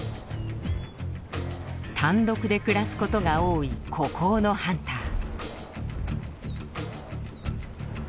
単独で暮らすことが多い孤高のハンター。